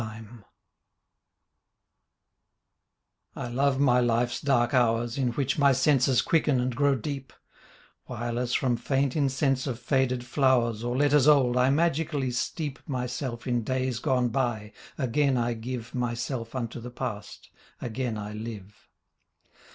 S6 The Book of a Monies Life I love my life's dark hours In which my senses quicken and grow deep, While, as from faint incense of faded flowers Or letters old, I magically steep Myself in days gone by: again I give Myself unto the past: — again I live.